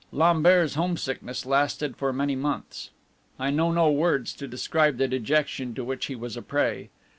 Lambert's home sickness lasted for many months. I know no words to describe the dejection to which he was a prey.